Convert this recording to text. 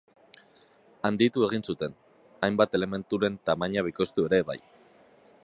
Handitu egin zuten, hainbat elementuren tamaina bikoiztu ere bai.